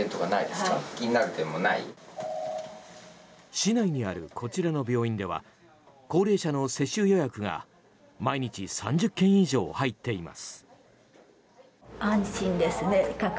市内にあるこちらの病院では高齢者の接種予約が毎日３０件以上入っています。